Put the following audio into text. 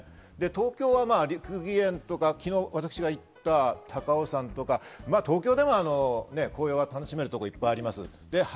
東京は六義園とか、昨日、私が行った高尾山とか、東京でも紅葉が楽しめるところはいっぱいあります。